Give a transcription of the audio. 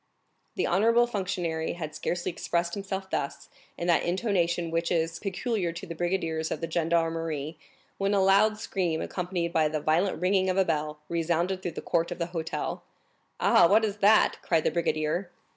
The honorable functionary had scarcely expressed himself thus, in that intonation which is peculiar to brigadiers of the gendarmerie, when a loud scream, accompanied by the violent ringing of a bell, resounded through the court of the hotel. "Ah, what is that?" cried the brigadier.